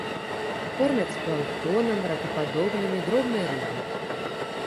Кормяцца планктонам, ракападобнымі, дробнай рыбай.